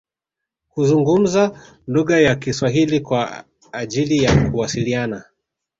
Huzungumza lugha ya kiswahili kwa ajili ya kuwasiliana